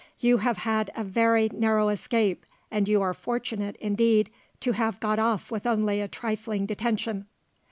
You have had a very narrow escape, and you are fortunate, indeed, to have got off with only a trifling detention."